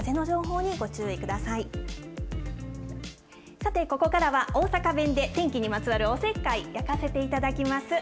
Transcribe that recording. さて、ここからは大阪弁で天気にまつわるおせっかい、焼かせていただきます。